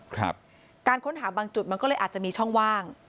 การค้นหาบางจุดมันก็เลยอาจจะมีช่องว่าง